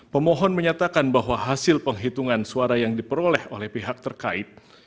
pemohon menyatakan bahwa hasil penghitungan suara yang diperoleh oleh pihak terkait